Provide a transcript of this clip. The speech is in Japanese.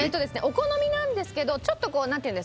お好みなんですけどちょっとこうなんていうんですか？